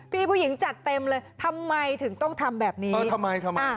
พี่ผู้หญิงจัดเต็มเลยทำไมถึงต้องทำแบบนี้เออทำไมทำไมอ่ะ